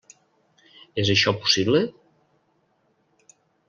És això possible?